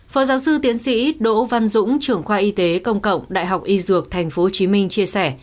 phó giáo sư tiến sĩ đỗ văn dũng trưởng khoa y tế công cộng đại học y dược tp hcm chia sẻ